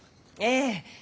ええ。